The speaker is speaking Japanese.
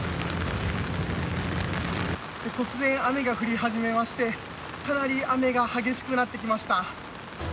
突然、雨が降り始めましてかなり雨が激しくなってきました。